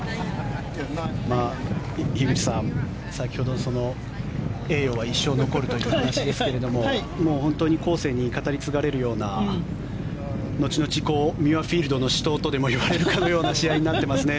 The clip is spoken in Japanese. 樋口さん、先ほど栄誉は一生残るという話ですがもう本当に後世に語り継がれるような後々ミュアフィールドの死闘とでも言われるかのような試合になっていますね。